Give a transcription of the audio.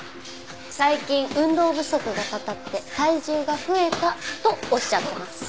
最近運動不足がたたって体重が増えたとおっしゃってます。